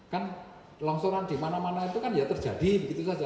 kan longsoran di mana mana itu kan ya terjadi begitu saja